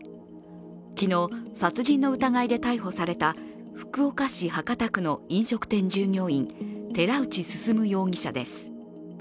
昨日、殺人の疑いで逮捕された福岡市博多区の飲食店従業員寺内進容疑者です。